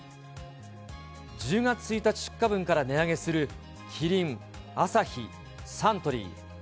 １０月１日出荷分から値上げするキリン、アサヒ、サントリー。